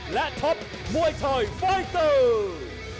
และช็อปมวยไทยไฟเตอร์